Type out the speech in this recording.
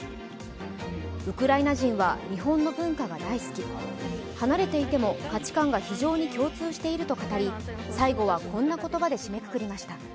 ウクライナ人は日本の文化が大好き、離れていても価値観が非常に共通していると語り最後はこんな言葉で締めくくりました。